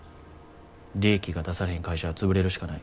利益が出されへん会社は潰れるしかない。